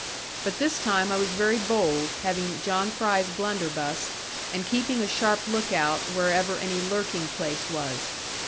But this time I was very bold, having John Fry's blunderbuss, and keeping a sharp look out wherever any lurking place was.